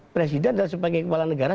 presiden dan sebagai kepala negara